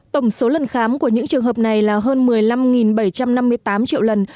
tổng số lần khám của những trường hợp này là hơn một mươi năm bảy trăm năm mươi tám triệu lần